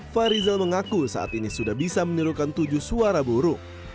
fahrizal mengaku saat ini sudah bisa menirukan tujuh suara buruk